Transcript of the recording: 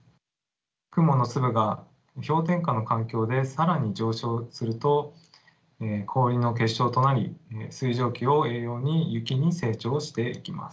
雲の粒が氷点下の環境で更に上昇すると氷の結晶となり水蒸気を栄養に雪に成長していきます。